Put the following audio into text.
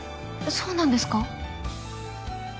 そうなんですか？